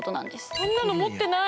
そんなの持ってない。